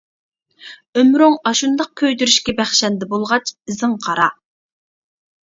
ئۆمرۈڭ ئاشۇنداق كۆيدۈرۈشكە بەخشەندە بولغاچ ئىزىڭ قارا!